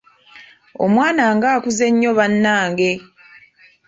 Omwana ng'akuze nnyo bannange.